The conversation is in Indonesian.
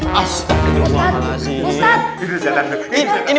positif makanya itu